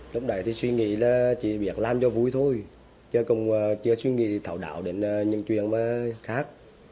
lúc đấy thì suy nghĩ là chỉ biết làm cho vui thôi chứ không suy nghĩ thảo đạo đến những chuyện khác